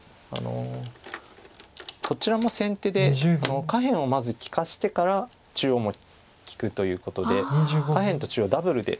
こちらも先手で下辺をまず利かしてから中央も利くということで下辺と中央ダブルで利きが増えます。